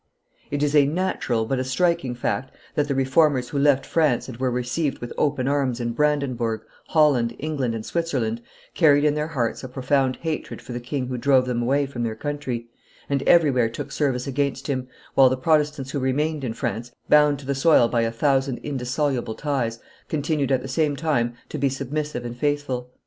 It is a natural but a striking fact that the Reformers who left France and were received with open arms in Brandenburg, Holland, England, and Switzerland carried in their hearts a profound hatred for the king who drove them away from their country, and everywhere took service against him, whilst the Protestants who remained in France, bound to the soil by a thousand indissoluble ties, continued at the same time to be submissive and faithful.